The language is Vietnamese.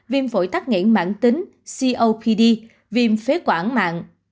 viêm phổi tắc nghẽn mạng tính copd viêm phế quản mạng